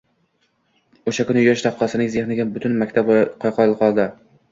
O`sha kuni yosh raqqosaning zehniga butun maktab qoyil qoldi